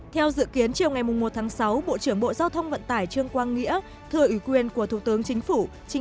theo dự kiến chiều ngày một tháng sáu bộ trưởng bộ giao thông vận tải trương quang nghĩa thưa ủy quyền của thủ tướng chính phủ